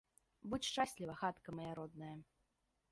Будзь шчасліва, хатка мая родная!